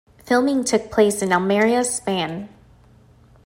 Filming took place in Almeria, Spain.